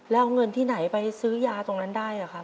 แล้วเอาเงินที่ไหนไปซื้อยาตรงนั้นได้ครับ